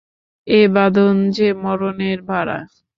এ বাঁধন যে মরণের বাড়া।